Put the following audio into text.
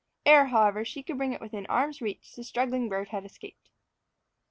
Ere, however, she could bring it within arm's length, the struggling bird had escaped.